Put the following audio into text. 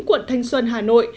quận thanh xuân hà nội